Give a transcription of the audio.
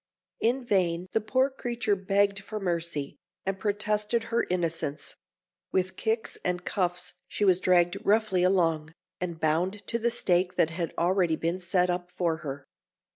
In vain the poor creature begged for mercy, and protested her innocence: with kicks and cuffs she was dragged roughly along, and bound to the stake that had already been set up for her.